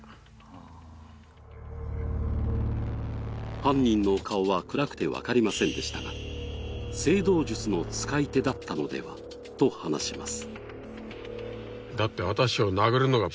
犯人の顔は暗くて分かりませんでしたが、正道術の使い手だったのではと話します。